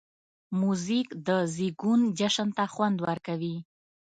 موزیک د زېږون جشن ته خوند ورکوي.